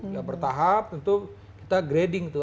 ya bertahap tentu kita grading tuh